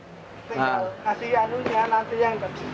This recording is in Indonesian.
tinggal kasih anunya nanti yang ke sini